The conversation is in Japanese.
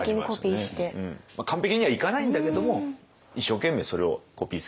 まあ完璧にはいかないんだけども一生懸命それをコピーするように。